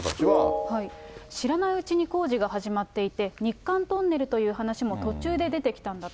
知らないうちに工事が始まっていて、日韓トンネルという話も途中で出てきたんだと。